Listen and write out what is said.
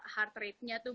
heart rate nya tuh